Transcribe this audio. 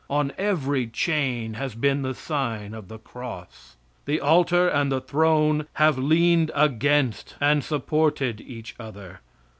On every chain has been the sign of the cross. The alter and the throne have leaned against and supported each other.